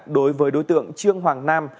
đối với đối tượng trương hoàng nam